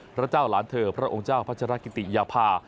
พระเจ้าหลานเธอพระองค์เจ้าพัชรกิติยาภา